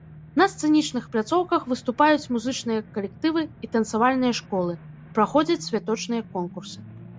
На сцэнічных пляцоўках выступаюць музычныя калектывы і танцавальныя школы, праходзяць святочныя конкурсы.